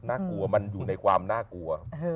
น่ากลัวมันอยู่ในความน่ากลัว